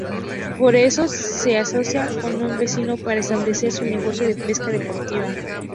Por eso se asocia con un vecino para establecer un negocio de pesca deportiva.